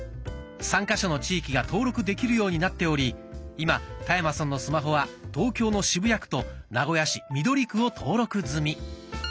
３か所の地域が登録できるようになっており今田山さんのスマホは東京の渋谷区と名古屋市緑区を登録済み。